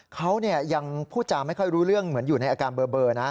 เขายังพูดจาไม่ค่อยรู้เรื่องเหมือนอยู่ในอาการเบอร์นะ